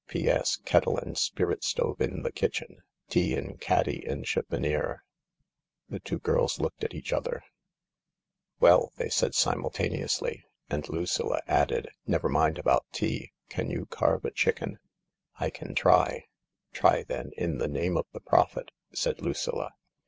P. "P.S. — Kettle and spirit stove in the kitchen. Tea in caddy in cheffonier." The two girls looked at each other. THE LARK " Well !" they said simultaneously, and Lucilla added, " Never mind about tea. Can you carve a chicken ?"" I can try," "Try, then, in the name of the Prophet !" said Lucilla.